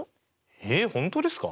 えっ本当ですか？